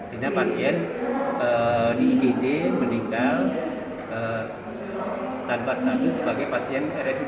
terima pasien di igd meninggal tanpa status sebagai pasien rsud